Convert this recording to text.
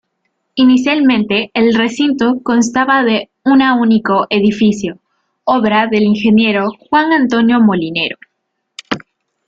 Inicialmente el recinto constaba de una único edificio, obra del ingeniero Juan Antonio Molinero.